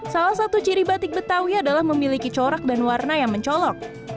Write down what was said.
salah satu ciri batik betawi adalah memiliki corak dan warna yang mencolok